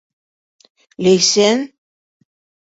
Ләйсән?